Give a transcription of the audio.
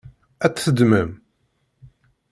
Ad tt-teddmem?